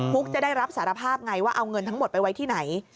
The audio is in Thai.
ุ๊กจะได้รับสารภาพไงว่าเอาเงินทั้งหมดไปไว้ที่ไหน